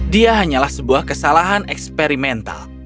dia hanyalah sebuah kesalahan eksperimental